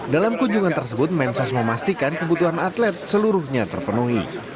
dalam kunjungan tersebut mensos memastikan kebutuhan atlet seluruhnya terpenuhi